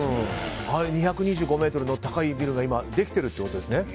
２２５ｍの高いビルが今、できているってことですね。